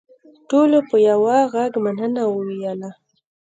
ټولو په یوه غږ مننه وویل.